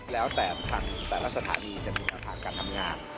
แล้วแต่ทางแต่ละสถานีจะมีแนวทางการทำงาน